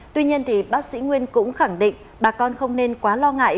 tuy nhiên bác sĩ nguyên cũng khẳng định bà con không nên quá lo ngại